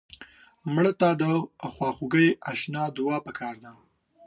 مړه ته د خواخوږۍ اشنا دعا پکار ده